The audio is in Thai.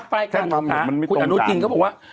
ไปกันค่ะคุณอนุจริงเขาบอกว่า